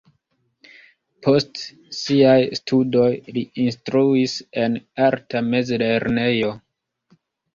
Post siaj studoj li instruis en arta mezlernejo.